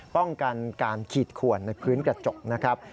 ป้องกันการขีดขวนในพื้นกระจกนะครับ